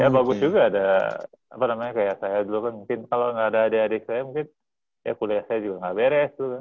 ya bagus juga ada apa namanya kayak saya dulu kan mungkin kalau nggak ada adik adik saya mungkin ya kuliah saya juga nggak beres